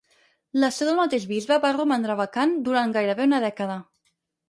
La seu del mateix bisbe va romandre vacant durant gairebé una dècada.